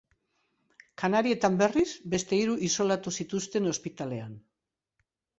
Kanarietan, berriz, beste hiru isolatu zituzten ospitalean.